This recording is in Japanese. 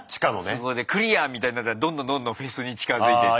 そこでクリアみたいになったらどんどんどんどんフェスに近づいてって。